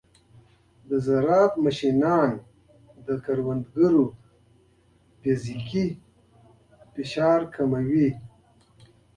د زراعت ماشینونه د کروندګرو فزیکي فشار کموي.